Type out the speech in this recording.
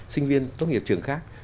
sinh viên tốt nghiệp trường khác